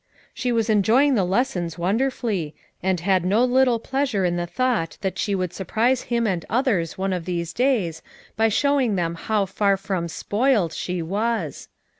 She was enjoying the les sons wonderfully, and had no little pleasure in the thought that she would surprise him and others one of these days by showing them how far from "spoiled" she was.